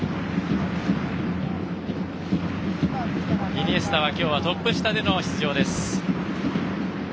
イニエスタは今日はトップ下での出場です。